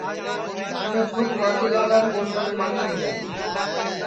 اُنے کھود مانگھی لالان ٻو سڈؔ مانی لیا